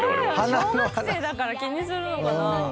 小学生だから気にするのかな？